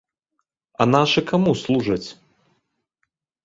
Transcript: А нашы каму служаць?